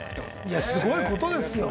すごいことですよ。